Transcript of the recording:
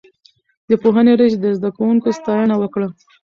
د پوهنې رئيس د زده کوونکو ستاينه وکړه.